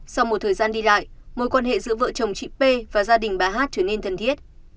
sau một thời gian đi lại mối quan hệ giữa vợ chồng chị p và gia đình bà hát trở nên thân thiết